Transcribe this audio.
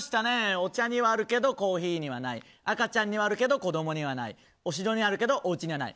お茶にはあるけどコーヒーにはない赤ちゃんにはあるけど子供にはないお城にはあるけどおうちにはない。